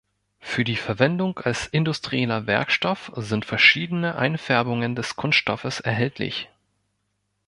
Für die Verwendung als industrieller Werkstoff sind verschiedene Einfärbungen des Kunststoffes erhältlich.